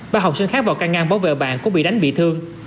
bà học sinh khác vào ca ngăn bảo vệ bạn cũng bị đánh bị thương